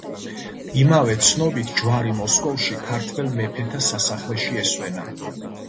იმავე ცნობით, ჯვარი მოსკოვში ქართველ მეფეთა სასახლეში ესვენა.